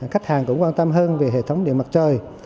khách hàng cũng quan tâm hơn về hệ thống điện mặt trời